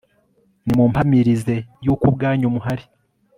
nimumpamirize yuko ubwanyu muhari